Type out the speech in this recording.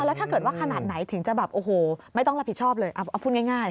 แล้วถ้าเกิดว่าขนาดไหนถึงจะแบบโอ้โหไม่ต้องรับผิดชอบเลยเอาพูดง่าย